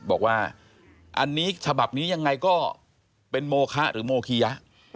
บอกว่าอันนี้ฉบับนี้ยังไงก็เป็นโมคะหรือโมคียะ